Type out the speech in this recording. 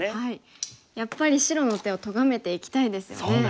やっぱり白の手をとがめていきたいですよね。